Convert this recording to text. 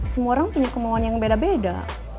semua orang punya kemauan yang beda beda